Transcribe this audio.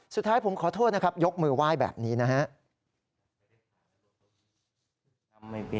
สุดท้ายผมขอโทษนะครับยกมือไหว้แบบนี้นะครับ